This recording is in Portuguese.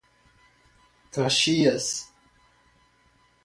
Caxias